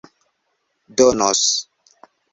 donos